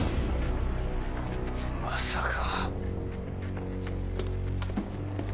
まさか！？